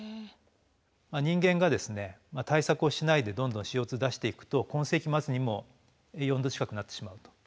人間が対策をしないでどんどんＣＯ出していくと今世紀末にも４℃近くなってしまうと。